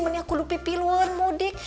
meniak kudu pipi lun mudik